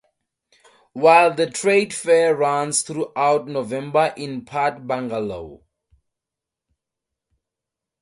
While the trade fair runs throughout November in Part Bungalow.